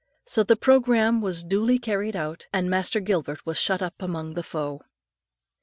So the programme was duly carried out, and Master Gilbert was shut up among the foe.